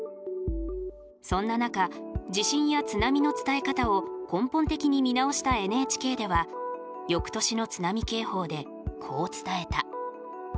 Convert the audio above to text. そんな中地震や津波の伝え方を根本的に見直したＮＨＫでは翌年の津波警報でこう伝えた。